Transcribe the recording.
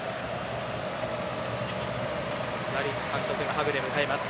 ダリッチ監督がハグで迎えました。